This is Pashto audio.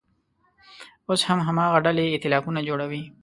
اوس هم هماغه ډلې اییتلافونه جوړوي.